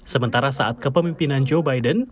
sementara saat kepemimpinan joe biden